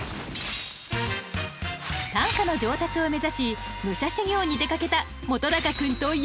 短歌の上達を目指し武者修行に出かけた本君と矢花君。